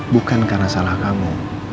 bukan karena salah kamu